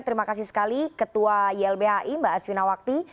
terima kasih sekali ketua ylbhi mbak asvina wakti